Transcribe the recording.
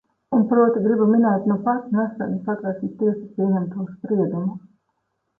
Un, proti, gribu minēt nupat, nesen, Satversmes tiesas pieņemto spriedumu.